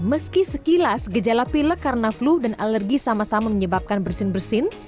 meski sekilas gejala pilek karena flu dan alergi sama sama menyebabkan bersin bersin